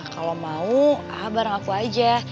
kalau mau bareng aku aja